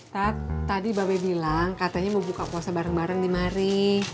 tat tadi babe bilang katanya mau buka puasa bareng bareng di mari